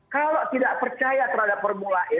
kalau tidak percaya terhadap formula e